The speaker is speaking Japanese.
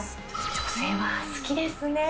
女性は好きですね。